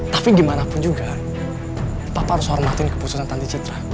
tapi gimana pun juga papa harus hormatin keputusan tanti citra